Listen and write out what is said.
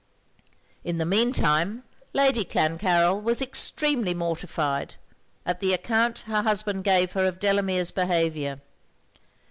In the mean time, Lady Clancarryl was extremely mortified at the account her husband gave her of Delamere's behaviour.